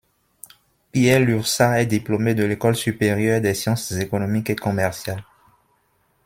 Pierre Lurçat est diplômé de l'École supérieure des sciences économiques et commerciales.